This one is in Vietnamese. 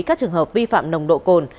các trường hợp vi phạm nồng độ cồn